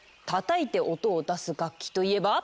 叩いて音を出す楽器といえば？